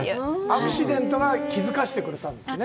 アクシデントが気づかせてくれたんですね。